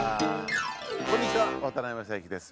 こんにちは渡辺正行です。